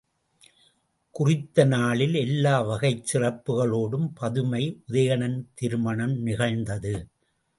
குறித்த நாளில் எல்லா வகைச் சிறப்புக்களோடும் பதுமை உதயணன் திருமணம் நிகழ்ந்தது.